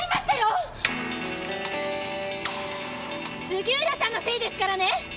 杉浦さんのせいですからね！